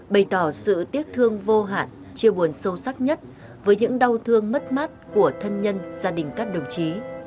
bày tỏ sự tiếc thương vô hạn chia buồn sâu sắc nhất với những đau thương mất mát của thân nhân gia đình các đồng chí